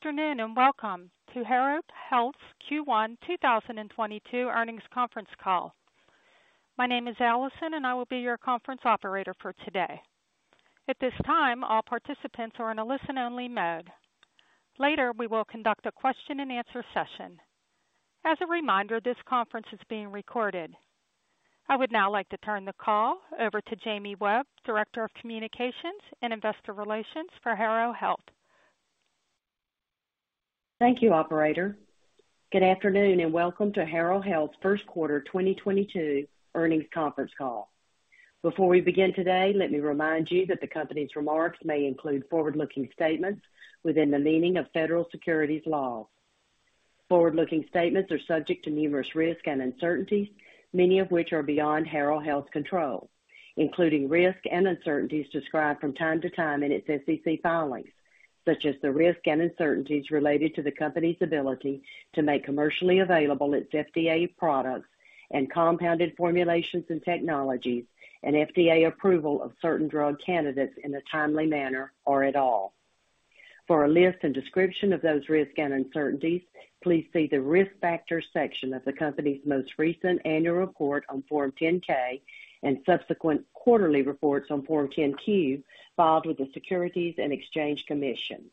Good afternoon, and welcome to Harrow Health's Q1 2022 Earnings Conference Call. My name is Allison, and I will be your conference operator for today. At this time, all participants are in a listen-only mode. Later, we will conduct a question-and-answer session. As a reminder, this conference is being recorded. I would now like to turn the call over to Jamie Webb, Director of Communications and Investor Relations for Harrow Health. Thank you, operator. Good afternoon, and welcome to Harrow Health's First Quarter 2022 Earnings Conference Call. Before we begin today, let me remind you that the company's remarks may include forward-looking statements within the meaning of federal securities law. Forward-looking statements are subject to numerous risks and uncertainties, many of which are beyond Harrow Health's control, including risks and uncertainties described from time to time in its SEC filings, such as the risks and uncertainties related to the company's ability to make commercially available its FDA products and compounded formulations and technologies and FDA approval of certain drug candidates in a timely manner or at all. For a list and description of those risks and uncertainties, please see the Risk Factors section of the company's most recent annual report on Form 10-K and subsequent quarterly reports on Form 10-Q filed with the Securities and Exchange Commission.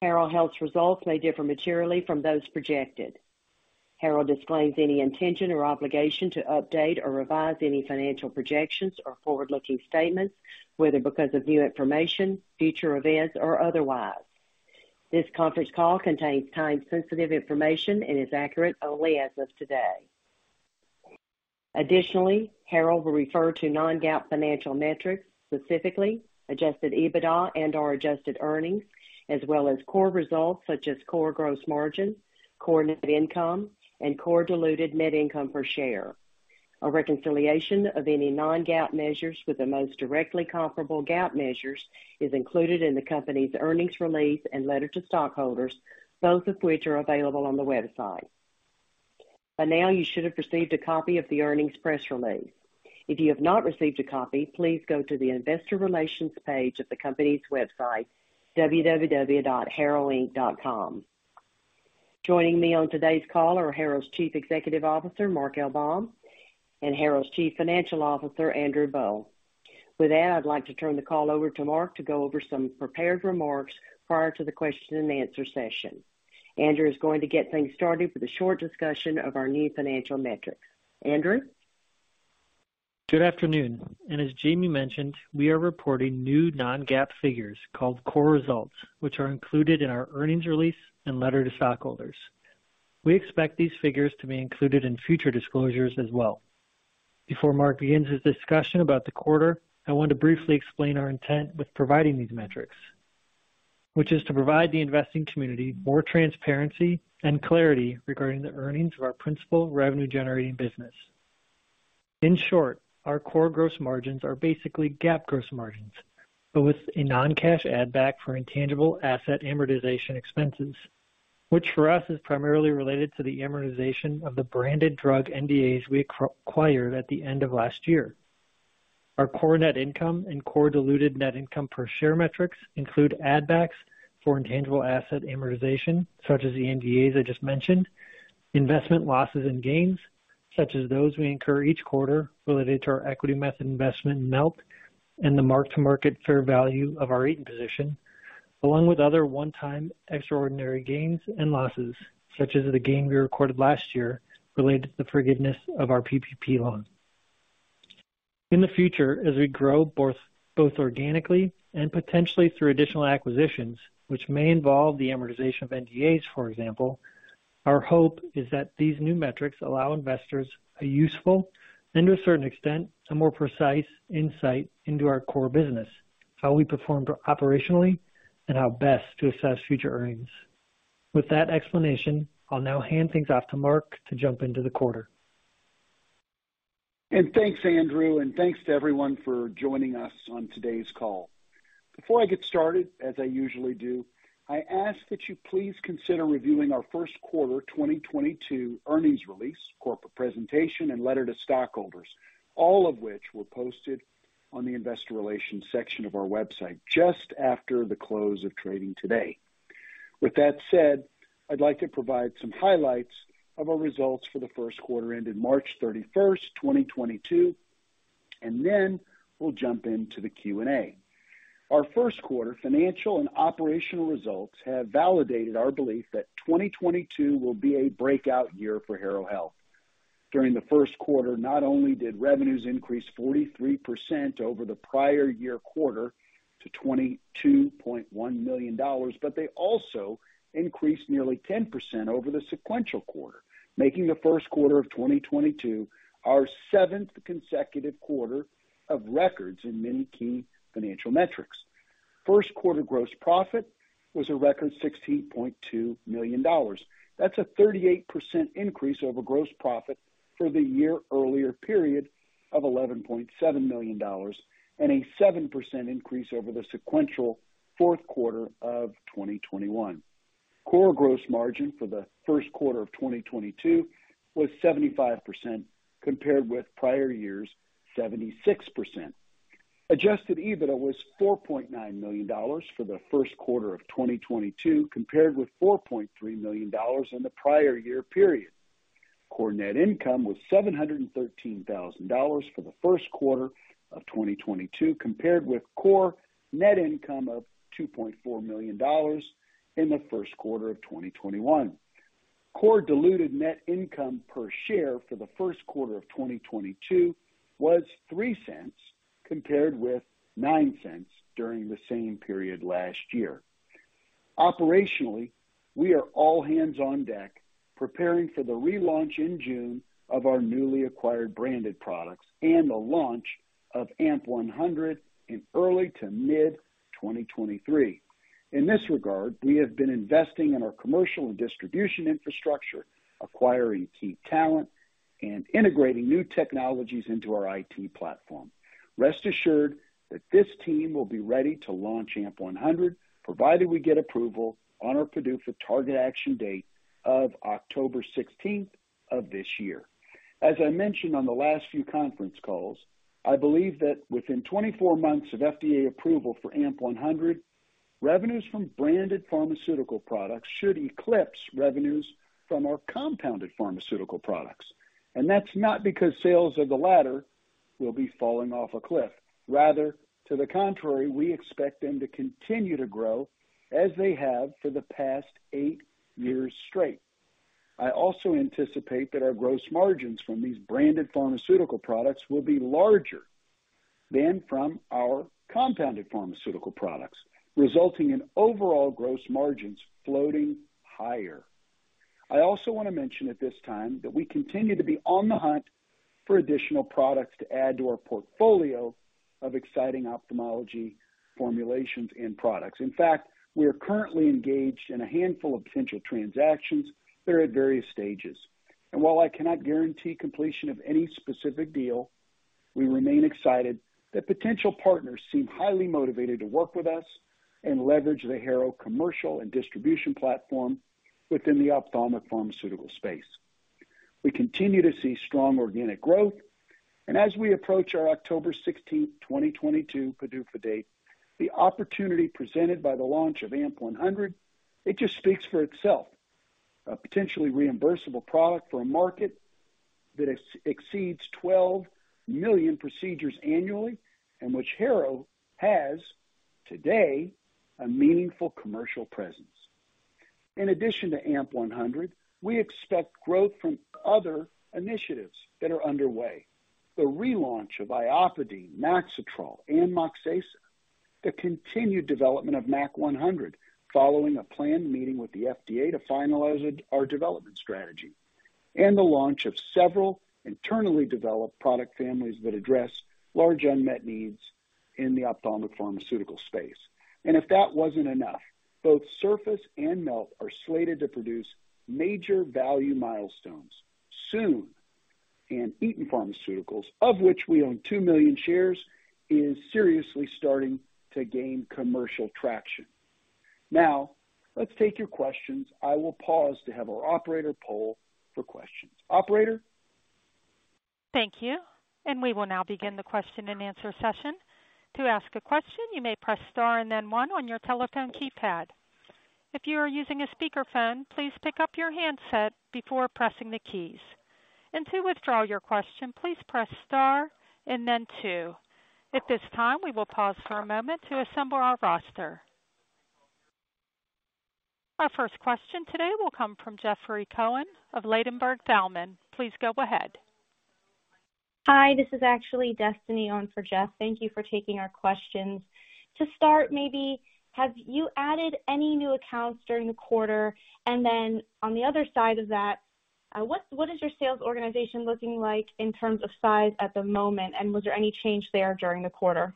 Harrow Health's results may differ materially from those projected. Harrow disclaims any intention or obligation to update or revise any financial projections or forward-looking statements, whether because of new information, future events, or otherwise. This conference call contains time-sensitive information and is accurate only as of today. Additionally, Harrow will refer to non-GAAP financial metrics, specifically Adjusted EBITDA and/or adjusted earnings, as well as core results such as core gross margin, core net income, and core diluted net income per share. A reconciliation of any non-GAAP measures with the most directly comparable GAAP measures is included in the company's earnings release and letter to stockholders, both of which are available on the website. By now, you should have received a copy of the earnings press release. If you have not received a copy, please go to the investor relations page of the company's website, www.harrowinc.com. Joining me on today's call are Harrow's Chief Executive Officer, Mark Baum, and Harrow's Chief Financial Officer, Andrew Boll. With that, I'd like to turn the call over to Mark to go over some prepared remarks prior to the question-and-answer session. Andrew is going to get things started with a short discussion of our new financial metrics. Andrew? Good afternoon. As Jamie mentioned, we are reporting new non-GAAP figures called core results, which are included in our earnings release and letter to stockholders. We expect these figures to be included in future disclosures as well. Before Mark begins his discussion about the quarter, I want to briefly explain our intent with providing these metrics, which is to provide the investing community more transparency and clarity regarding the earnings of our principal revenue-generating business. In short, our core gross margins are basically GAAP gross margins, but with a non-cash add back for intangible asset amortization expenses, which for us is primarily related to the amortization of the branded drug NDAs we acquired at the end of last year. Our core net income and core diluted net income per share metrics include add backs for intangible asset amortization, such as the NDAs I just mentioned, investment losses and gains, such as those we incur each quarter related to our equity method investment in Melt and the mark-to-market fair value of our Eton position, along with other one-time extraordinary gains and losses, such as the gain we recorded last year related to the forgiveness of our PPP loan. In the future, as we grow both organically and potentially through additional acquisitions, which may involve the amortization of NDAs, for example, our hope is that these new metrics allow investors a useful and, to a certain extent, a more precise insight into our core business, how we perform operationally, and how best to assess future earnings. With that explanation, I'll now hand things off to Mark to jump into the quarter. Thanks, Andrew, and thanks to everyone for joining us on today's call. Before I get started, as I usually do, I ask that you please consider reviewing our first quarter 2022 earnings release, corporate presentation, and letter to stockholders, all of which were posted on the investor relations section of our website just after the close of trading today. With that said, I'd like to provide some highlights of our results for the first quarter ended March 31st, 2022, and then we'll jump into the Q&A. Our first quarter financial and operational results have validated our belief that 2022 will be a breakout year for Harrow Health. During the first quarter, not only did revenues increase 43% over the prior year quarter to $22.1 million, but they also increased nearly 10% over the sequential quarter, making the first quarter of 2022 our seventh consecutive quarter of records in many key financial metrics. First quarter gross profit was a record $16.2 million. That's a 38% increase over gross profit for the year earlier period of $11.7 million, and a 7% increase over the sequential fourth quarter of 2021. Core gross margin for the first quarter of 2022 was 75% compared with prior year's 76%. Adjusted EBITDA was $4.9 million for the first quarter of 2022 compared with $4.3 million in the prior year period. Core net income was $713,000 for the first quarter of 2022 compared with core net income of $2.4 million in the first quarter of 2021. Core diluted net income per share for the first quarter of 2022 was $0.03 compared with $0.09 during the same period last year. Operationally, we are all hands on deck preparing for the relaunch in June of our newly acquired branded products and the launch of AMP-100 in early to mid-2023. In this regard, we have been investing in our commercial and distribution infrastructure, acquiring key talent and integrating new technologies into our IT platform. Rest assured that this team will be ready to launch AMP-100, provided we get approval on our PDUFA target action date of October 16th of this year. As I mentioned on the last few conference calls, I believe that within 24 months of FDA approval for AMP-100, revenues from branded pharmaceutical products should eclipse revenues from our compounded pharmaceutical products. That's not because sales of the latter will be falling off a cliff. Rather, to the contrary, we expect them to continue to grow as they have for the past 8 years straight. I also anticipate that our gross margins from these branded pharmaceutical products will be larger than from our compounded pharmaceutical products, resulting in overall gross margins floating higher. I also want to mention at this time that we continue to be on the hunt for additional products to add to our portfolio of exciting ophthalmology formulations and products. In fact, we are currently engaged in a handful of potential transactions that are at various stages. While I cannot guarantee completion of any specific deal, we remain excited that potential partners seem highly motivated to work with us and leverage the Harrow commercial and distribution platform within the ophthalmic pharmaceutical space. We continue to see strong organic growth. As we approach our October sixteenth, 2022 PDUFA date, the opportunity presented by the launch of AMP-100, it just speaks for itself. A potentially reimbursable product for a market that exceeds 12 million procedures annually and which Harrow has today a meaningful commercial presence. In addition to AMP-100, we expect growth from other initiatives that are underway. The relaunch of IOPIDINE, MAXITROL and MOXEZA, the continued development of MAQ-100 following a planned meeting with the FDA to finalize our development strategy and the launch of several internally developed product families that address large unmet needs in the ophthalmic pharmaceutical space. If that wasn't enough, both Surface and Melt are slated to produce major value milestones soon. Eton Pharmaceuticals, of which we own 2 million shares, is seriously starting to gain commercial traction. Now let's take your questions. I will pause to have our operator poll for questions. Operator. Thank you. We will now begin the question-and-answer session. To ask a question, you may press star and then one on your telephone keypad. If you are using a speakerphone, please pick up your handset before pressing the keys. To withdraw your question, please press star and then two. At this time, we will pause for a moment to assemble our roster. Our first question today will come from Jeffrey Cohen of Ladenburg Thalmann. Please go ahead. Hi, this is actually Destiny on for Jeff. Thank you for taking our questions. To start, maybe have you added any new accounts during the quarter? On the other side of that, what is your sales organization looking like in terms of size at the moment? Was there any change there during the quarter?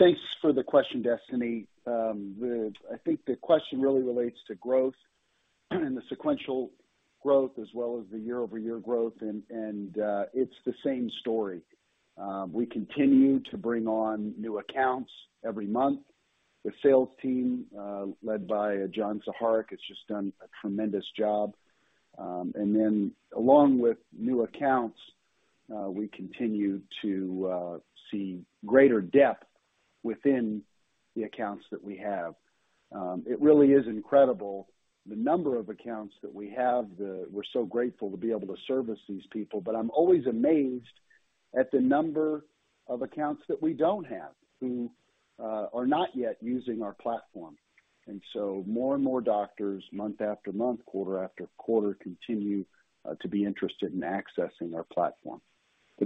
Thanks for the question, Destiny. I think the question really relates to growth and the sequential growth as well as the year-over-year growth. It's the same story. We continue to bring on new accounts every month. The sales team, led by John Saharic, has just done a tremendous job. Then along with new accounts, we continue to see greater depth within the accounts that we have. It really is incredible the number of accounts that we have. We're so grateful to be able to service these people, but I'm always amazed at the number of accounts that we don't have who are not yet using our platform. More and more doctors, month after month, quarter after quarter, continue to be interested in accessing our platform.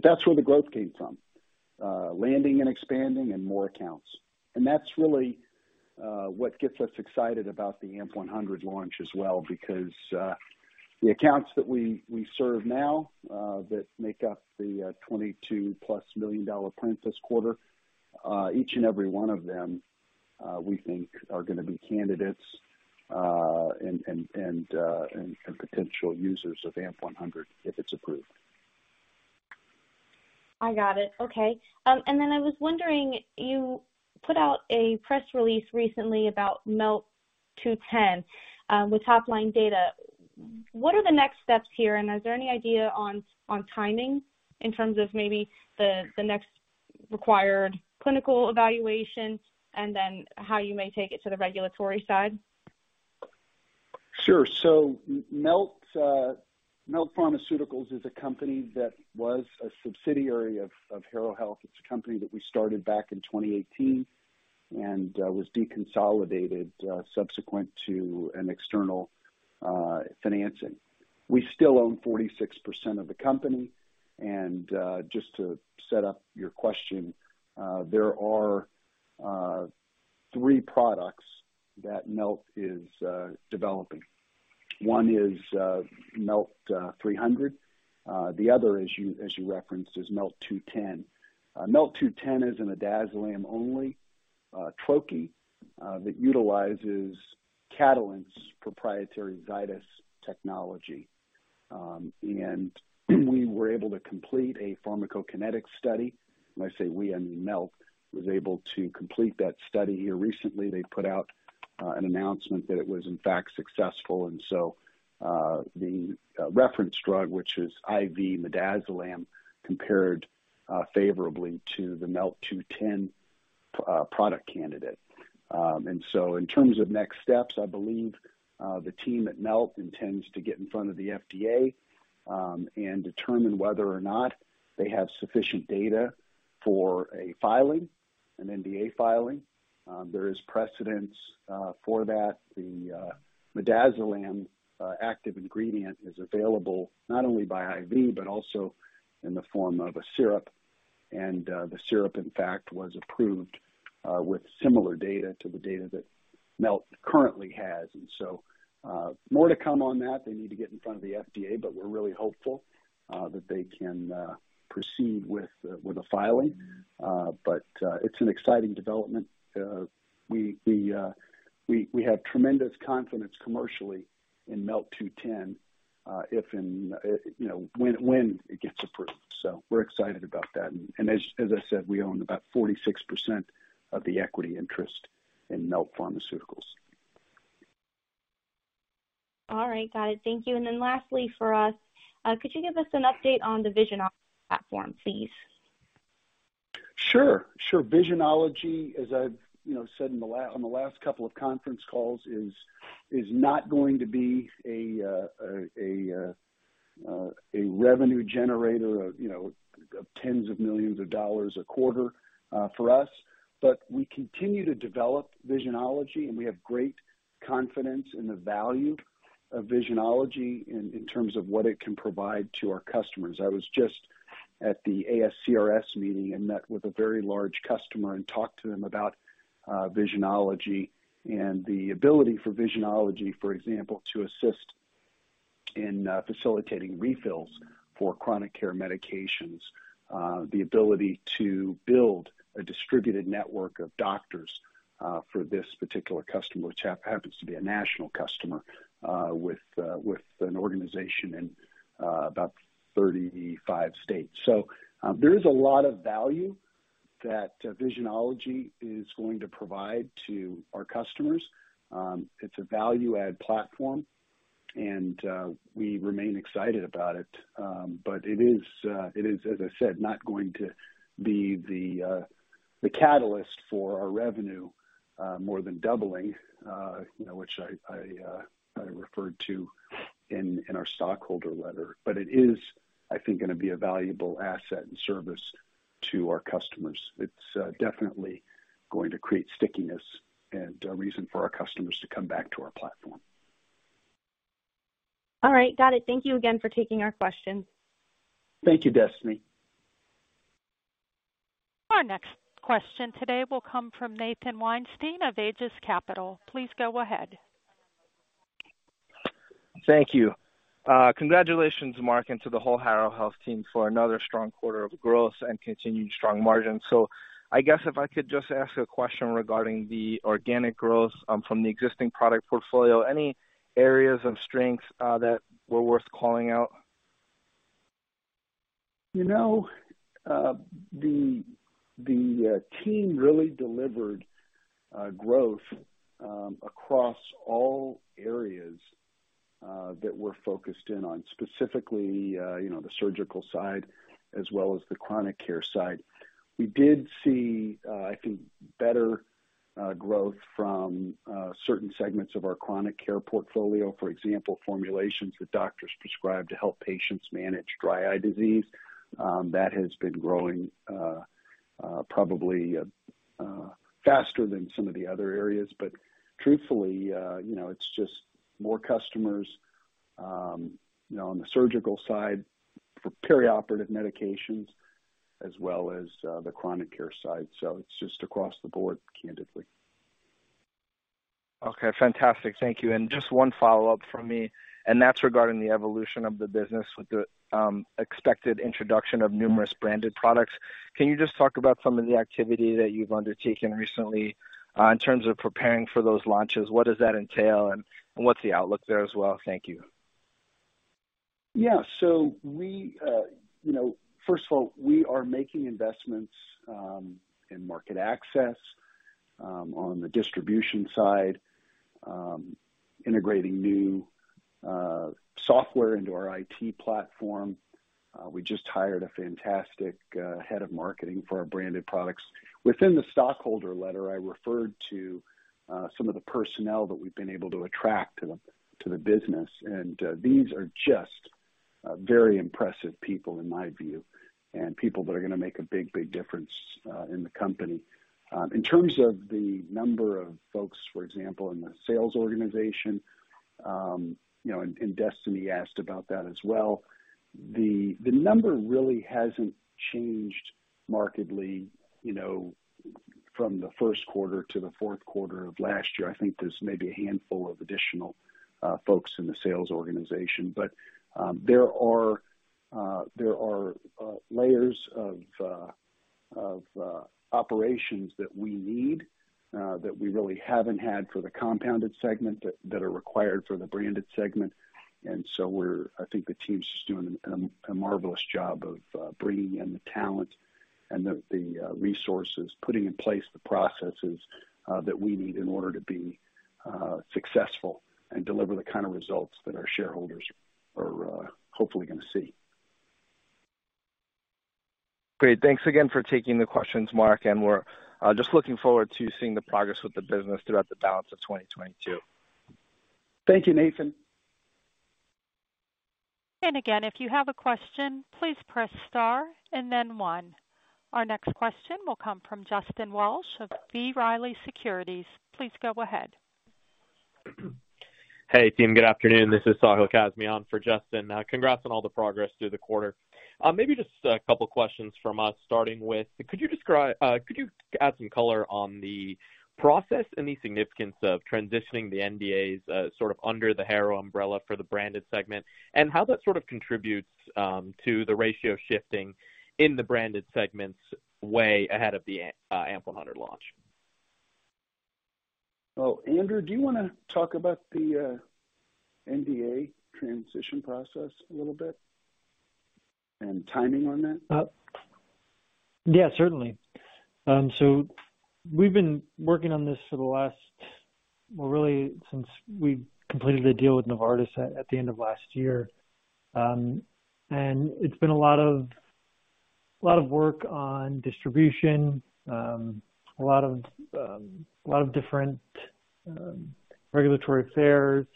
That's where the growth came from, landing and expanding and more accounts. That's really what gets us excited about the AMP-100 launch as well, because the accounts that we serve now that make up the $22+ million print this quarter, each and every one of them we think are gonna be candidates and potential users of AMP-100 if it's approved. I got it. Okay. Then I was wondering, you put out a press release recently about MELT-210 with top-line data. What are the next steps here? Is there any idea on timing in terms of maybe the next required clinical evaluations and then how you may take it to the regulatory side? Sure. Melt Pharmaceuticals is a company that was a subsidiary of Harrow Health. It's a company that we started back in 2018 and was deconsolidated subsequent to an external financing. We still own 46% of the company. Just to set up your question, there are three products that Melt is developing. One is MELT-300. The other, as you referenced, is MELT-210. Melt 210 is a midazolam only troche that utilizes Catalent's proprietary Zydis technology. We were able to complete a pharmacokinetic study. When I say we, I mean, Melt was able to complete that study here recently. They put out an announcement that it was in fact successful. The reference drug, which is IV midazolam, compared favorably to the MELT-210 product candidate. In terms of next steps, I believe the team at Melt intends to get in front of the FDA and determine whether or not they have sufficient data for a filing, an NDA filing. There is precedent for that. The midazolam active ingredient is available not only by IV, but also in the form of a syrup. The syrup, in fact, was approved with similar data to the data that Melt currently has. More to come on that. They need to get in front of the FDA, but we're really hopeful that they can proceed with a filing. It's an exciting development. We have tremendous confidence commercially in MELT-210, if and when it gets approved. You know, we're excited about that. As I said, we own about 46% of the equity interest in Melt Pharmaceuticals. All right. Got it. Thank you. Lastly for us, could you give us an update on the Visionology platform, please? Sure. Visionology, as I've you know said on the last couple of conference calls, is not going to be a revenue generator of you know of tens of millions of dollars a quarter for us. We continue to develop Visionology, and we have great confidence in the value of Visionology in terms of what it can provide to our customers. I was just at the ASCRS meeting and met with a very large customer and talked to them about Visionology and the ability for Visionology for example to assist in facilitating refills for chronic care medications. The ability to build a distributed network of doctors for this particular customer, which happens to be a national customer with an organization in about 35 states. There is a lot of value that Visionology is going to provide to our customers. It's a value add platform, and we remain excited about it. It is, as I said, not going to be the catalyst for our revenue more than doubling, you know, which I referred to in our stockholder letter. It is, I think, gonna be a valuable asset and service to our customers. It's definitely going to create stickiness and a reason for our customers to come back to our platform. All right. Got it. Thank you again for taking our question. Thank you, Destiny. Our next question today will come from Nathan Weinstein of Aegis Capital. Please go ahead. Thank you. Congratulations, Mark, and to the whole Harrow Health team for another strong quarter of growth and continued strong margins. I guess if I could just ask a question regarding the organic growth from the existing product portfolio, any areas of strength that were worth calling out? You know, the team really delivered growth across all areas that we're focused in on, specifically, you know, the surgical side as well as the chronic care side. We did see, I think, better growth from certain segments of our chronic care portfolio. For example, formulations that doctors prescribe to help patients manage dry eye disease, that has been growing probably faster than some of the other areas. Truthfully, you know, it's just more customers, you know, on the surgical side for perioperative medications as well as the chronic care side. It's just across the board, candidly. Okay. Fantastic. Thank you. Just one follow-up from me, and that's regarding the evolution of the business with the expected introduction of numerous branded products. Can you just talk about some of the activity that you've undertaken recently in terms of preparing for those launches? What does that entail, and what's the outlook there as well? Thank you. Yeah. You know, first of all, we are making investments in market access on the distribution side, integrating new software into our IT platform. We just hired a fantastic head of marketing for our branded products. Within the stockholder letter, I referred to some of the personnel that we've been able to attract to the business. These are just very impressive people in my view, and people that are gonna make a big difference in the company. In terms of the number of folks, for example, in the sales organization, you know, and Destiny asked about that as well. The number really hasn't changed markedly, you know, from the first quarter to the fourth quarter of last year. I think there's maybe a handful of additional folks in the sales organization. There are layers of operations that we need that we really haven't had for the compounded segment that are required for the branded segment. I think the team's just doing a marvelous job of bringing in the talent and the resources, putting in place the processes that we need in order to be successful and deliver the kind of results that our shareholders are hopefully gonna see. Great. Thanks again for taking the questions, Mark, and we're just looking forward to seeing the progress with the business throughout the balance of 2022. Thank you, Nathan. Again, if you have a question, please press star and then one. Our next question will come from Justin Walsh of B. Riley Securities. Please go ahead. Hey, team. Good afternoon. This is Sahil Kazmi on for Justin. Congrats on all the progress through the quarter. Maybe just a couple questions from us, starting with, could you add some color on the process and the significance of transitioning the NDAs, sort of under the Harrow umbrella for the branded segment, and how that sort of contributes, to the ratio shifting in the branded segments way ahead of the AMP-100 launch? Oh, Andrew, do you wanna talk about the NDA transition process a little bit and timing on that? Yeah, certainly. We've been working on this really since we completed the deal with Novartis at the end of last year. It's been a lot of work on distribution, a lot of different regulatory affairs,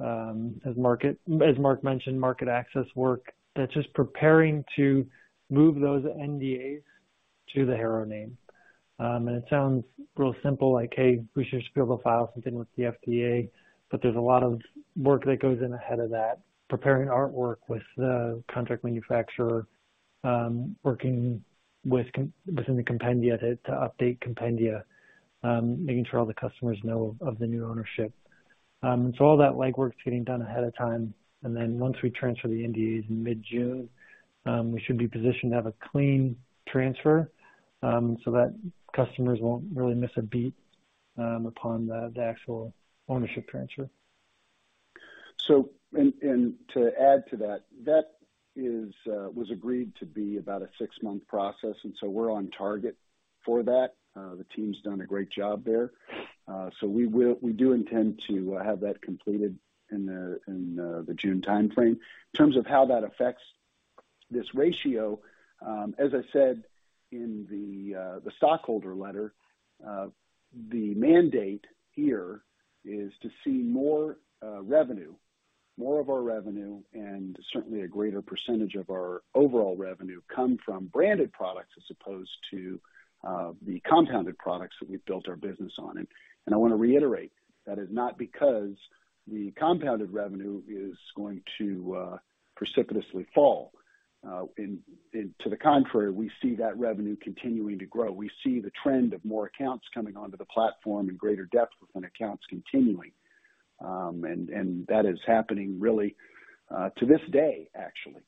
as Mark mentioned, market access work that's just preparing to move those NDAs to the Harrow name. It sounds real simple, like, "Hey, we should just be able to file something with the FDA." There's a lot of work that goes in ahead of that. Preparing artwork with the contract manufacturer, working within the compendia to update compendia, making sure all the customers know of the new ownership. All that legwork's getting done ahead of time. Once we transfer the NDAs in mid-June, we should be positioned to have a clean transfer so that customers won't really miss a beat upon the actual ownership transfer. To add to that was agreed to be about a six-month process, and we're on target for that. The team's done a great job there. We do intend to have that completed in the June timeframe. In terms of how that affects this ratio, as I said in the stockholder letter, the mandate here is to see more revenue, more of our revenue, and certainly a greater percentage of our overall revenue come from branded products as opposed to the compounded products that we've built our business on. I wanna reiterate, that is not because the compounded revenue is going to precipitously fall. On the contrary, we see that revenue continuing to grow. We see the trend of more accounts coming onto the platform and greater depth within accounts continuing. That is happening really to this day, actually,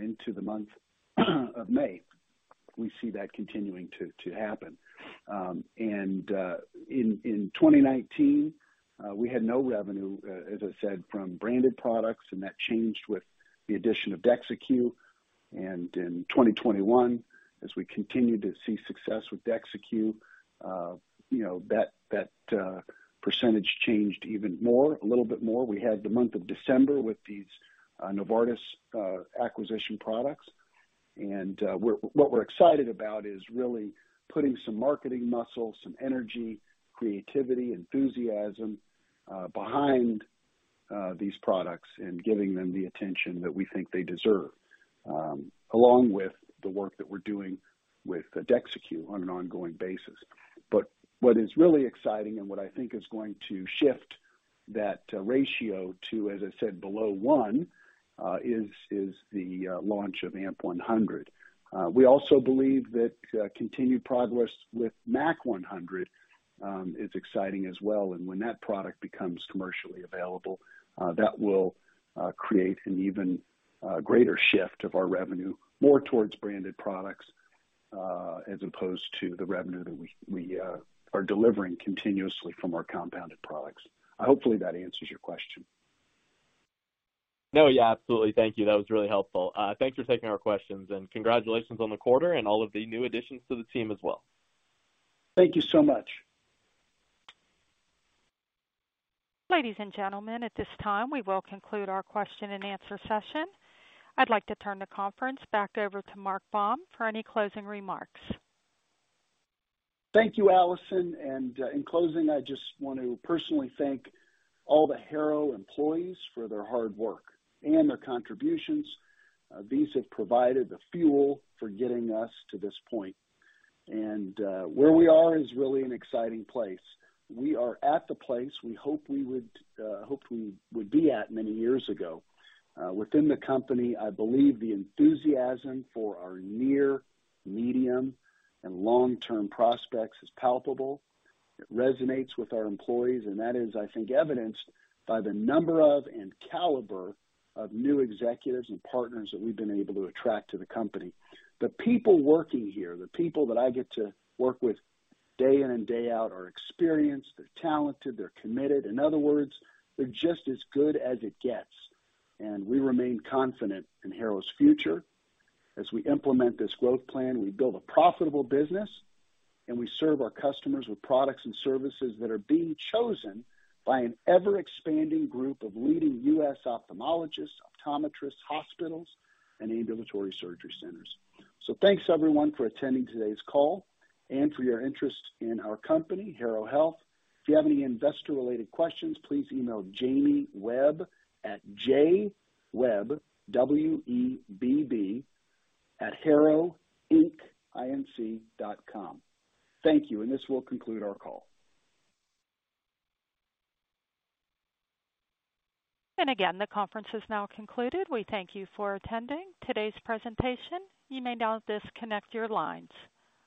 into the month of May. We see that continuing to happen. In 2019, we had no revenue, as I said, from branded products, and that changed with the addition of DEXYCU. In 2021, as we continued to see success with DEXYCU, you know, that percentage changed even more, a little bit more. We had the month of December with these Novartis acquisition products. What we're excited about is really putting some marketing muscle, some energy, creativity, enthusiasm behind these products and giving them the attention that we think they deserve, along with the work that we're doing with DEXYCU on an ongoing basis. What is really exciting and what I think is going to shift that ratio to, as I said, below 1, is the launch of AMP-100. We also believe that continued progress with MAQ-100 is exciting as well. When that product becomes commercially available, that will create an even greater shift of our revenue more towards branded products. As opposed to the revenue that we are delivering continuously from our compounded products. Hopefully, that answers your question. No, yeah, absolutely. Thank you. That was really helpful. Thanks for taking our questions, and congratulations on the quarter and all of the new additions to the team as well. Thank you so much. Ladies and gentlemen, at this time, we will conclude our question-and-answer session. I'd like to turn the conference back over to Mark Baum for any closing remarks. Thank you, Allison. In closing, I just want to personally thank all the Harrow employees for their hard work and their contributions. These have provided the fuel for getting us to this point. Where we are is really an exciting place. We are at the place we hope we would be at many years ago. Within the company, I believe the enthusiasm for our near, medium, and long-term prospects is palpable. It resonates with our employees, and that is, I think, evidenced by the number of and caliber of new executives and partners that we've been able to attract to the company. The people working here, the people that I get to work with day in and day out are experienced. They're talented. They're committed. In other words, they're just as good as it gets. We remain confident in Harrow's future. As we implement this growth plan, we build a profitable business, and we serve our customers with products and services that are being chosen by an ever-expanding group of leading U.S. ophthalmologists, optometrists, hospitals, and ambulatory surgery centers. Thanks, everyone, for attending today's call and for your interest in our company, Harrow Health. If you have any investor-related questions, please email Jamie Webb at jwebb@harrowinc.com. Thank you, and this will conclude our call. Again, the conference is now concluded. We thank you for attending today's presentation. You may now disconnect your lines.